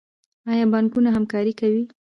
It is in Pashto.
آیا بانکونه همکاري کوي؟